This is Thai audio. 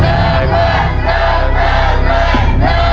หนุ่มหลังมา